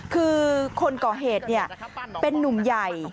คือคนก่อเหตุเป็นนุ่มใหญ่